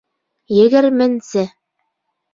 Егерменсе